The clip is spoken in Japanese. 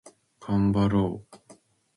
がんばろう